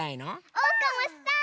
おうかもしたい！